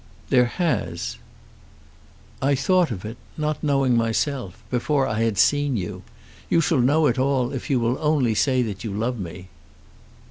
"There has!" "I thought of it, not knowing myself; before I had seen you. You shall know it all if you will only say that you love me."